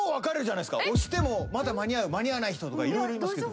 押してもまだ間に合う間に合わない人とか色々いますけど。